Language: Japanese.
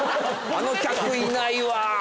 あの客いないわ。